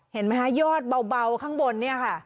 เห็นไหมคะยอดเบาข้างบนเนี่ยค่ะ